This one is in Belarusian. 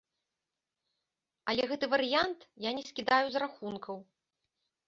Але гэты варыянт я не скідаю з рахункаў.